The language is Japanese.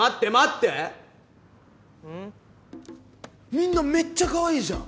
みんなめっちゃ可愛いじゃん！